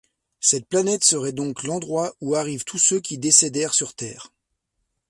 Cette planète serait donc l'endroit où arrivent tous ceux qui décèdent sur Terre.